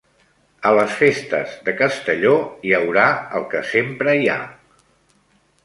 A les festes de Castelló hi haurà el que sempre hi ha.